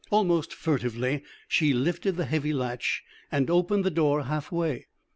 Almost furtively she lifted the heavy latch and opened the door half way.